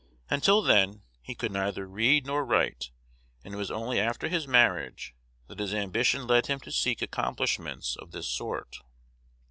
Until then, he could neither read nor write; and it was only after his marriage that his ambition led him to seek accomplishments of this sort.